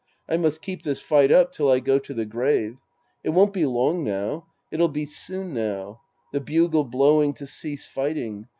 I must keep this fight up till I go to the grave. It won't be long now. It'll be soon now. The bugle blowing to cease fighting.